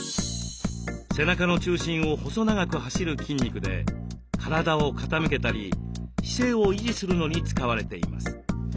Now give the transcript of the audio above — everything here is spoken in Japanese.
背中の中心を細長く走る筋肉で体を傾けたり姿勢を維持するのに使われています。